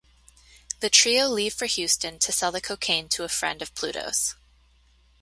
The trio leave for Houston to sell the cocaine to a friend of Pluto's.